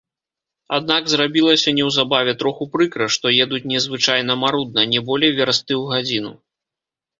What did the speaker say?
Аднак зрабілася неўзабаве троху прыкра, што едуць незвычайна марудна, не болей вярсты ў гадзіну.